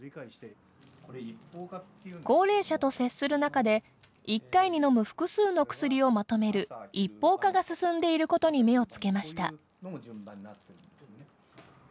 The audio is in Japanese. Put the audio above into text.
高齢者と接する中で１回に飲む複数の薬をまとめる一包化が進んでいることに目をつけました。